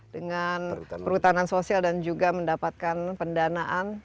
dengan perhutanan sosial dan juga mendapatkan pendanaan